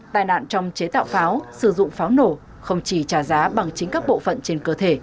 tài nạn trong chế tạo pháo sử dụng pháo nổ không chỉ trả giá bằng chính các bộ phận trên cơ thể